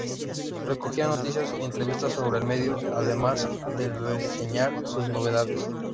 Recogía noticias y entrevistas sobre el medio, además de reseñar sus novedades.